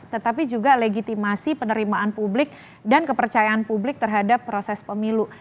tetapi juga legitimasi penerimaan publik dan kepercayaan publik terhadap proses pemilu